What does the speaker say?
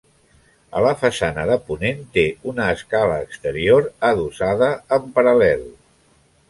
A la façana de ponent té una escala exterior adossada en paral·lel.